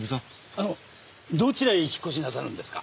あのどちらへ引っ越しなさるんですか？